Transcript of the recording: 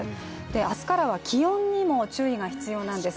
明日からは気温にも注意が必要なんです。